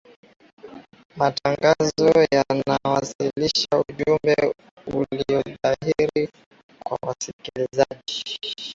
matangazo yanawasilisha ujumbe uliyo dhahiri kwa wasikilizaji